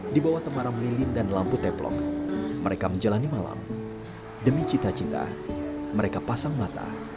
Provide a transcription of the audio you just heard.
di bawah temaram lilin dan lampu teplok mereka menjalani malam demi cita cita mereka pasang mata